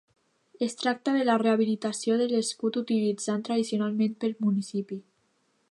Es tracta de la rehabilitació de l'escut utilitzat tradicionalment pel municipi.